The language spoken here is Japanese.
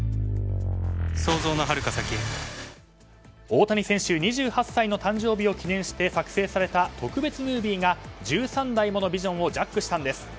大谷選手２８歳の誕生日を記念して作成された特別ムービーが１３台ものビジョンをジャックしたんです。